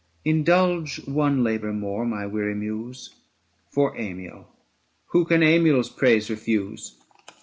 Indulge one labour more, my weary Muse, For Amiel : who can Amiel's praise refuse